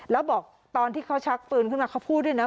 แล้วบอกตอนที่เขาชักปืนขึ้นมาเขาพูดด้วยนะ